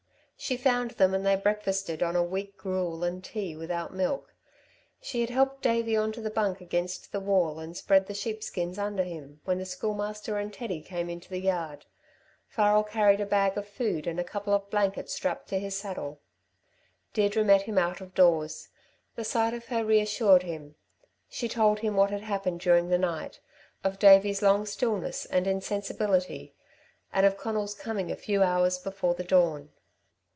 She found them and they breakfasted on a weak gruel and tea without milk. She had helped Davey on to the bunk against the wall and spread the sheepskins under him when the Schoolmaster and Teddy came into the yard. Farrel carried a bag of food and a couple of blankets strapped to his saddle. Deirdre met him out of doors. The sight of her reassured him. She told him what had happened during the night of Davey's long stillness and insensibility, and of Conal's coming a few hours before the dawn.